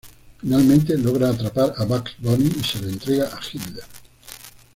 Finalmente, logra atrapar a Bugs Bunny y se lo entrega a Hitler.